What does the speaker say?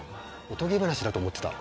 おとぎ話だと思ってた。